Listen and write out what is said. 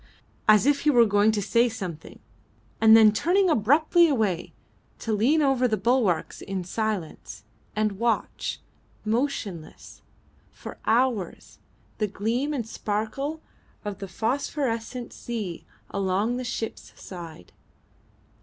as if he was going to say something, and then turning abruptly away to lean over the bulwarks in silence, and watch, motionless, for hours, the gleam and sparkle of the phosphorescent sea along the ship's side.